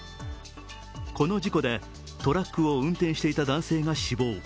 この事故でトラックを運転していた男性が死亡。